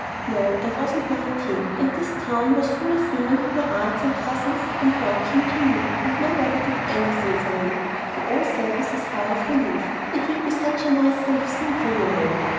No, I wasn't nineteen, and this town was full of women who were aunts and cousins and law kin to me, and nobody did anything for me. They all said, with a sigh of relief, "It will be such a nice safe thing for you, Molly."